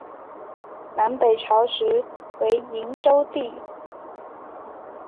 南北朝时为营州地。